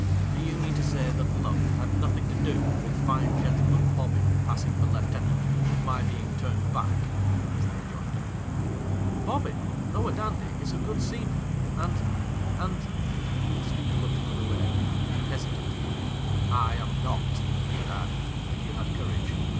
Do you mean to say that luck had nothing to do with Fine Gentleman Bobbin passing for lieutenant, and my being turned back ?' was the rejoinder. ' Bobbin, though a dandy, is a good seaman, and — and .' The speaker looked another way, and hesitated. ' I am not, you would add — if you had courage.